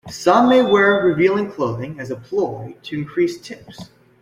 Some may wear revealing clothing as a ploy to increase tips.